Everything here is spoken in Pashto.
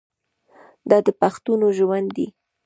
دا د پښتنو ژوند دی.